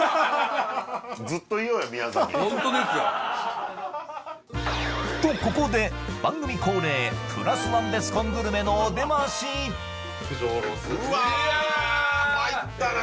ホントですよとここで番組恒例プラスワンベスコングルメのお出ましうわーっまいったな